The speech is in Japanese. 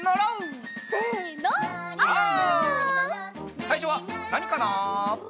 さいしょはなにかな？